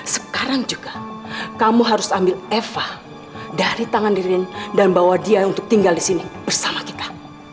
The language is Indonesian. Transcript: sekarang juga kamu harus ambil eva dari tangan dirinya dan bawa dia untuk tinggal di sini bersama kita